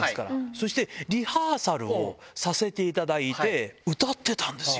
そして、リハーサルをさせていただいて、歌ってたんですよ。